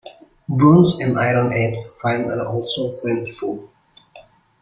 Bronze and Iron Age finds are also plentiful.